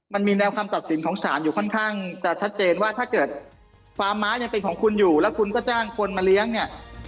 มันมีแนวคำตัดสินของสารอยู่ค่อนข้างจะชัดเจนว่าถ้าเกิดฟาร์มม้ายังเป็นของคุณอยู่แล้วคุณก็จ้างคนมาเลี้ยงเนี่ย